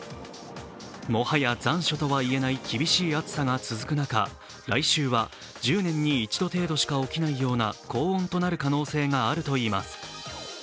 もはや残暑とはいえない厳しい暑さが続く中、来週は１０年に一度程度しか起きないような高温となる可能性があるといいます。